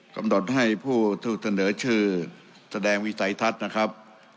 กำหนดให้ผู้ถูกเสนอชื่อแสดงวิสัยทัศน์นะครับ